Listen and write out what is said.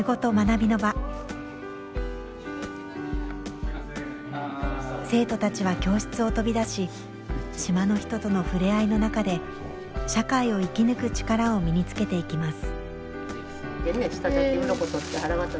ここでは生徒たちは教室を飛び出し島の人との触れ合いの中で社会を生き抜く力を身につけていきます。